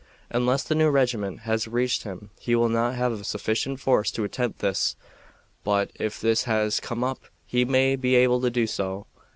Unless the new regiment has reached him he will not have a sufficient force to attempt this, but, if this has come up, he may be able to do so.